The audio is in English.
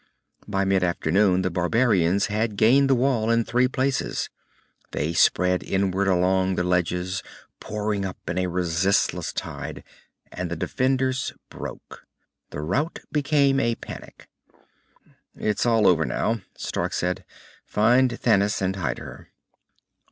By mid afternoon the barbarians had gained the Wall in three places. They spread inward along the ledges, pouring up in a resistless tide, and the defenders broke. The rout became a panic. "It's all over now," Stark said. "Find Thanis, and hide her."